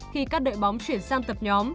khi các đội bóng chuyển sang tập nhóm